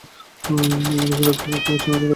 আমাকে শুধু একবার কুকুরছানাটা দেখা।